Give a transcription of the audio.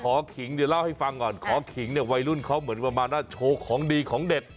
ขิงเดี๋ยวเล่าให้ฟังก่อนขอขิงเนี่ยวัยรุ่นเขาเหมือนประมาณว่าโชว์ของดีของเด็ด